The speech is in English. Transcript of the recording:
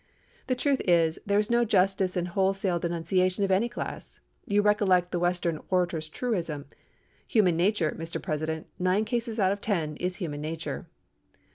The truth is, there is no justice in wholesale denunciation of any class. You recollect the Western orator's truism, 'Human nature, Mr. President, nine cases out of ten, is human nature.